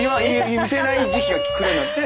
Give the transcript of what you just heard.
見せない時期が来るようになって。